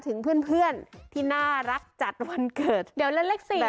ถึงเพื่อนที่น่ารักจัดวันเกิดเดี๋ยวเล่นเลข๔